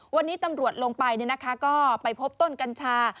วันนี้ตำรวจลงไปก็ไปพบต้นกัญชา